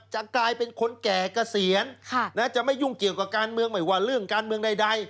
จะกลายเป็นคนแก่เกษียณจะไม่ยุ่งเกี่ยวกับการเมืองไม่ว่าเรื่องการเมืองใด